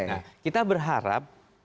nah kita berharap